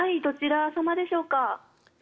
どちら様でしょうか？